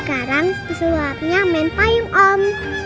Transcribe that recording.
sekarang disulapnya main payung om